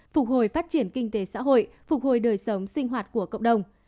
phục hồi phát triển kinh tế xã hội phục hồi đời sống sinh hoạt của cộng đồng